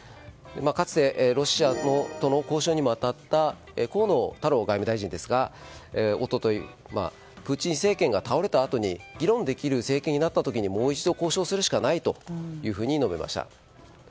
かつてロシアとの交渉にも当たった河野太郎元外務大臣ですが一昨日、プーチン政権が倒れたあとに議論できる政権になった時にもう一度交渉するしかないと述べました。